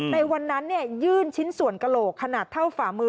ในวันนั้นยื่นชิ้นส่วนกระโหลกขนาดเท่าฝ่ามือ